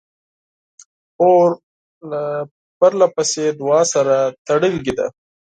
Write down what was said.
خور له پرله پسې دعا سره تړلې ده.